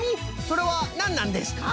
それはなんなんですか？